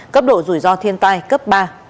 cấp độ rủi ro thiên tai cấp ba